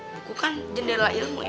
buku kan jendela ilmu ya